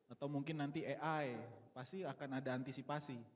atau mungkin nanti ai pasti akan ada antisipasi